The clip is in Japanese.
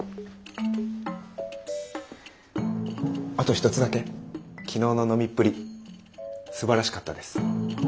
あと一つだけ昨日の飲みっぷりすばらしかったです。